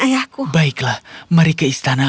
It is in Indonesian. ayahku baiklah mari ke istana